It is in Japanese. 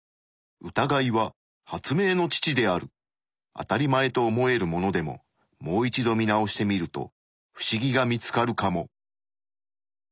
あたりまえと思えるものでももう一度見直してみるとフシギが見つかるかも。